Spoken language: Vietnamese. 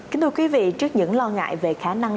kính thưa quý vị trước những lo ngại về khả năng